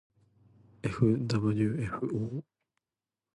ｆｗｆ ぉ